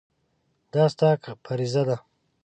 دا ستا فریضه ده.